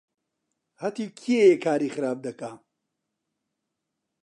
هەتیو کێیە کاری خراپ دەکا؟